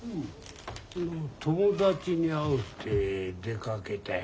友達に会うって出かけたよ。